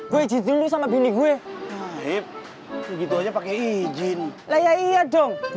dulu sama bini gue gitu aja pakai ijin iya dong